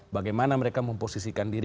bagaimana mereka memposisikan diri